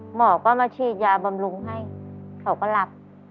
หมอก็มาฉีดยาบำรุงให้เขาก็รับ